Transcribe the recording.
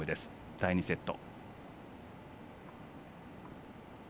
第２セット。